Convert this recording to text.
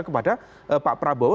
kepada pak prabowo